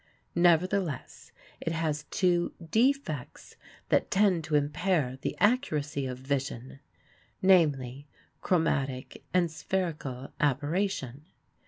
Nevertheless, it has two defects that tend to impair the accuracy of vision, namely, chromatic and spherical aberration.